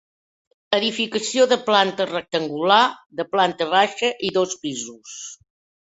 Edificació de planta rectangular, de planta baixa i dos pisos.